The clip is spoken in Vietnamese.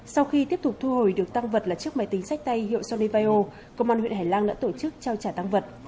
sau khi tiếp tục thu hồi được tăng vật là chiếc máy tính sách tay hiệu solivao công an huyện hải lăng đã tổ chức trao trả tăng vật